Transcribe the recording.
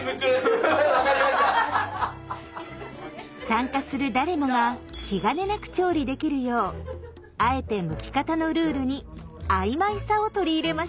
参加する誰もが気兼ねなく調理できるようあえてむき方のルールにあいまいさを取り入れました。